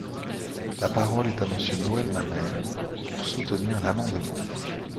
La parole est à Monsieur Noël Mamère, pour soutenir l’amendement.